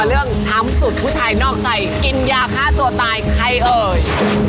ช้ำสุดผู้ชายนอกใจกินยาฆ่าตัวตายใครเอ่ย